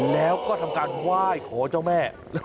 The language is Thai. แล้วก็ทำการไหว้ขอเจ้าแม่